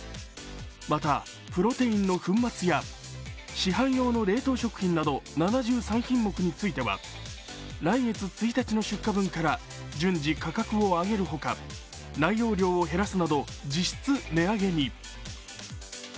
また、プロテインの粉末や市販用の冷凍食品など７３品目については来月１日の出荷分から順次価格を上げるほか内容量を減らすなど実質値上げに。